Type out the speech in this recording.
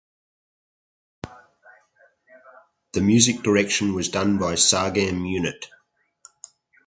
The music direction was done by Sargam Unit.